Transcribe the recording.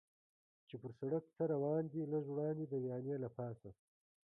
چې پر سړک څه روان دي، لږ وړاندې د ویالې له پاسه.